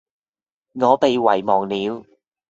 我被遺忘了